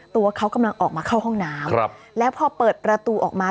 ตัวเขากำลังออกมาเข้าห้องน้ำแล้วพอเปิดประตูออกมา